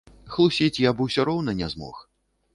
Хлусіць я б усё роўна не змог.